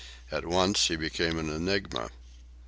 At once he became an enigma.